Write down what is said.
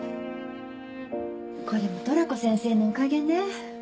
これもトラコ先生のおかげね。